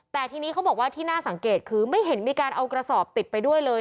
แต่ทีนี้เขาบอกว่าที่น่าสังเกตคือไม่เห็นมีการเอากระสอบติดไปด้วยเลย